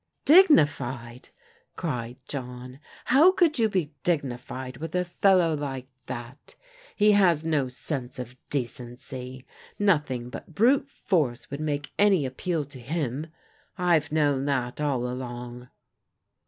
'*" Dignified !" cried John. " How could you be dig nified with a fellow like that? He has no sense of de cency. Nothing but brute force would make any appeal to him. I have known that all along."